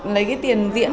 lấy cái tiền diễn